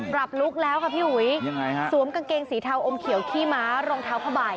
ลุคแล้วค่ะพี่อุ๋ยยังไงฮะสวมกางเกงสีเทาอมเขียวขี้ม้ารองเท้าผ้าใบ